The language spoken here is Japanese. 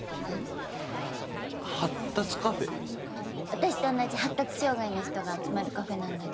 私と同じ発達障害の人が集まるカフェなんだって。